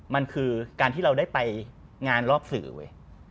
มันคือการที่เราได้ไปงานรอบสื่อเว้ย